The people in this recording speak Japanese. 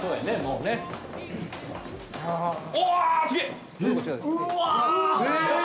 うわ！